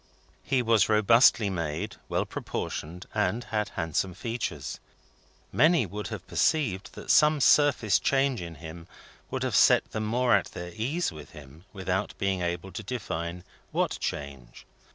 He was robustly made, well proportioned, and had handsome features. Many would have perceived that some surface change in him would have set them more at their ease with him, without being able to define what change.